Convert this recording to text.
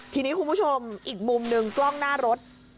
ทีนี้คุณผู้ชมอีกมุมหนึ่งกล้องหน้ารถ